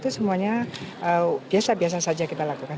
itu semuanya biasa biasa saja kita lakukan